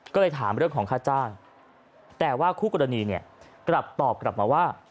ก็เลยถามเรื่องของค่าจ้างแต่ว่าคู่กรณีเนี่ยกลับตอบกลับมาว่า